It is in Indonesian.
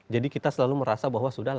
jadi kita selalu merasa bahwa sudah lah